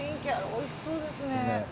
おいしそうですね。